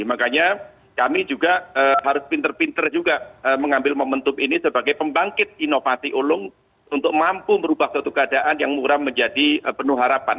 makanya kami juga harus pinter pinter juga mengambil momentum ini sebagai pembangkit inovasi ulung untuk mampu merubah suatu keadaan yang murah menjadi penuh harapan